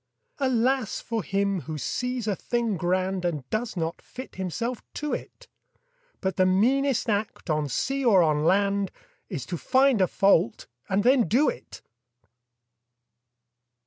Alas for him who sees a thing grand And does not fit himself to it! But the meanest act, on sea or on land, Is to find a fault, and then do it!